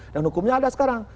dan hukumnya ada sekarang